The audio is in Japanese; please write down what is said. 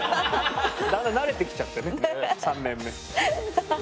だんだん慣れてきちゃってね３年目。ね。